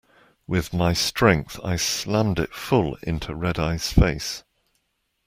With my strength I slammed it full into Red-Eye's face.